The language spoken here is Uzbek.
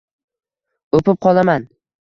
O'pib qolaman.